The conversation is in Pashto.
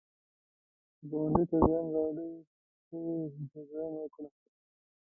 که ګاونډي ته زیان واړوي، ته یې جبران وکړه